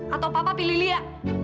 atau papa pilih lia